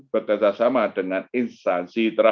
berkerjasama dengan instansi terkait